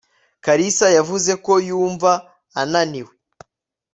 kalisa yavuze ko yumva ananiwe